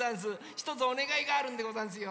ひとつおねがいがあるんでござんすよ。